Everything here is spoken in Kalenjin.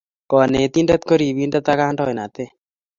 Kanetindet ko ribindet ak kandoinatet